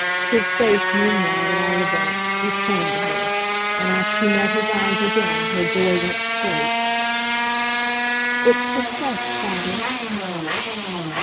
His face, meanwhile, at all events, was turned to her, and as she met his eyes again her joy went straight. "It's success, father."